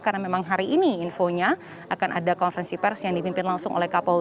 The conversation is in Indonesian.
karena memang hari ini infonya akan ada konferensi pers yang dipimpin langsung oleh kapolri